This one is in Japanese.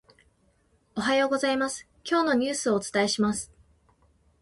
おはようございます、今日のニュースをお伝えします。